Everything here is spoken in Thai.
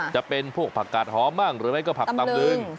จะเป็นพวกผักกาดหอมบ้างหรือไม่ก็ผักตำลึง